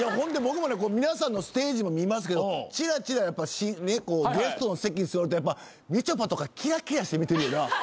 皆さんのステージも見ますけどちらちらゲストの席に座るとやっぱみちょぱとかキラキラして見てるよな。